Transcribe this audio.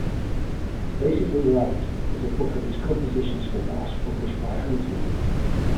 "Basically Wright" is a book of his compositions for bass published by Hansen.